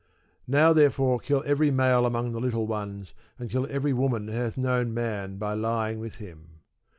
Now therefore kill every male among the little ones, and kill every woman that hath known man by lying with him.